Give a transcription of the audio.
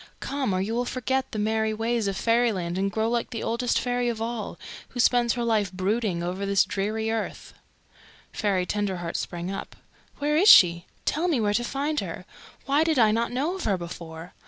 Come, or you will forget the merry ways of Fairyland and grow like the Oldest Fairy of All, who spends her life brooding over this dreary earth." Fairy Tenderheart sprang up. "Where is she? Tell me where to find her. Why did I not know of her before?